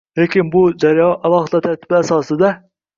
Lekin, bu jarayon alohida tartiblar asosida